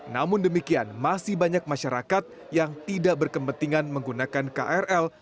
namun demikian masih banyak masyarakat yang tidak berkepentingan menggunakan krl